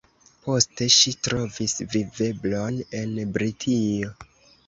Poste ŝi trovis viveblon en Britio.